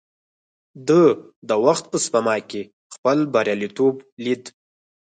ده د وخت په سپما کې خپل برياليتوب ليد.